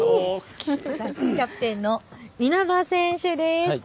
キャプテンの稲葉選手です。